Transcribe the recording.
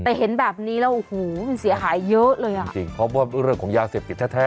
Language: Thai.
แต่เห็นแบบนี้แล้วโอ้โหมันเสียหายเยอะเลยอ่ะจริงเพราะว่าเรื่องของยาเสพติดแท้แท้